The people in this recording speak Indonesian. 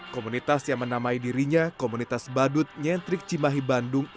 komunitas yang menamai dirinya komunitas badut nyentrik cimahi bandung